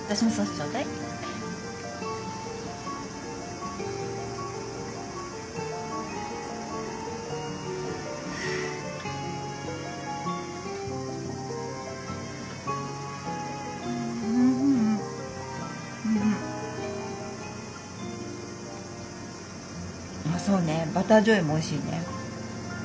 そうねバターじょうゆもおいしいね。